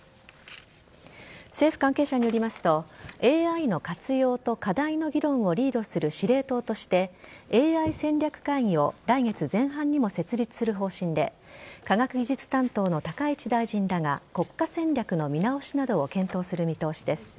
政府関係者によりますとＡＩの活用と課題の議論をリードする司令塔としてＡＩ戦略会議を来月前半にも設立する方針で科学技術担当の高市大臣らが国家戦略の見直しなどを検討する見通しです。